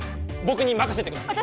僕に任せてください